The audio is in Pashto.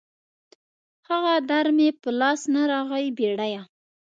هغه در مې په لاس نه راغی بېړيه